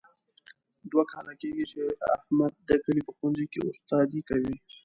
دوه کاله کېږي، چې احمد د کلي په ښوونځۍ کې استادي کوي.